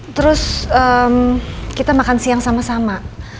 terus kita makan siang sama sama